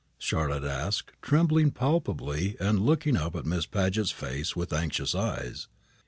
Charlotte asked, trembling palpably, and looking up at Miss Paget's face with anxious eyes.